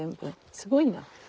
すごいな。